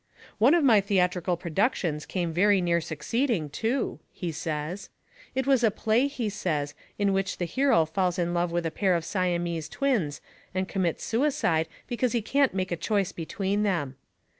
"One of my theatrical productions came very near succeeding, too," he says. It was a play he says, in which the hero falls in love with a pair of Siamese twins and commits suicide because he can't make a choice between them.